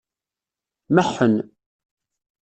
Meḥḥen.